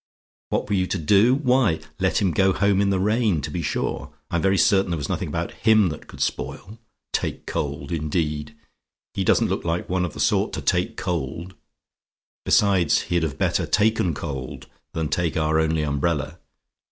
"WHAT WERE YOU TO DO? "Why, let him go home in the rain, to be sure. I'm very certain there was nothing about HIM that could spoil. Take cold, indeed! He doesn't look like one of the sort to take cold. Besides, he'd have better taken cold than take our only umbrella.